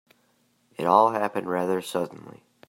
It all happened rather suddenly.